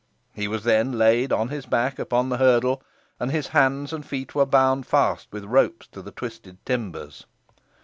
He was then laid on his back upon the hurdle, and his hands and feet were bound fast with ropes to the twisted timbers.